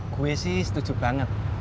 gue sih setuju banget